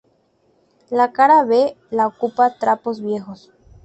La cara B la ocupa Trapos viejos.